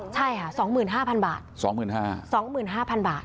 ใช่ค่ะสองหมื่นห้าพันบาทสองหมื่นห้าสองหมื่นห้าพันบาท